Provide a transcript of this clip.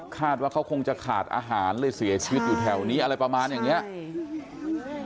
คาดว่าเขาคงจะขาดอาหารเลยเสียชีวิตอยู่แถวนี้อะไรประมาณอย่างเนี้ยอืม